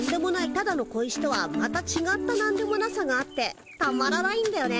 ただの小石とはまたちがったなんでもなさがあってたまらないんだよね。